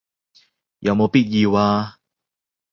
有冇必要啊